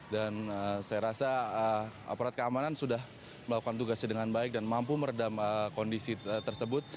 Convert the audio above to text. dan saya rasa aparat keamanan sudah melakukan tugasnya dengan baik dan mampu meredam kondisi tersebut